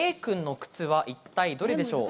Ａ君の靴は一体どれでしょう？